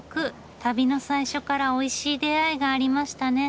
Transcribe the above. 旅の最初からおいしい出会いがありましたね。